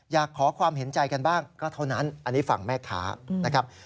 อยากขอความเห็นใจกันบ้างก็เท่านั้นอันนี้ฝั่งแม่ค้านะครับ